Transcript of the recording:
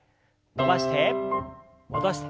伸ばして伸ばして。